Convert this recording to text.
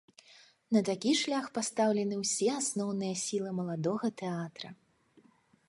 На такі шлях пастаўлены ўсе асноўныя сілы маладога тэатра.